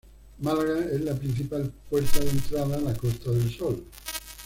Málaga es la principal puerta de entrada a la Costa del Sol.